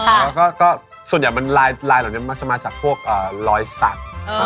แล้วก็ส่วนใหญ่มันลายเหล่านี้มักจะมาจากพวกรอยสัก